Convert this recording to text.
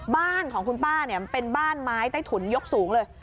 บ้านของคุณป้าเนี่ยเป็นบ้านไม้ใต้ถุนยกสูงเลย